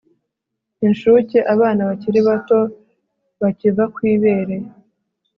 inshuke abana bakiri bato bakiva ku ibere